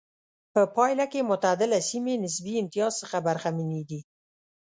په پایله کې معتدله سیمې نسبي امتیاز څخه برخمنې دي.